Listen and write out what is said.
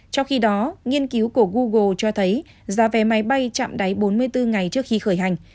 trong khi đó nghiên cứu của google cho thấy giá vé máy bay chạm đáy bốn mươi bốn ngày trước khi khởi hành